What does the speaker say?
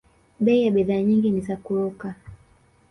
Bei ya bidhaa nyingi ni za kuruka